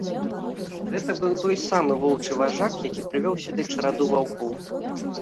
Гэта быў той самы воўчы важак, які прывёў сюды чараду ваўкоў.